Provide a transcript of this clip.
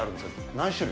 何種類？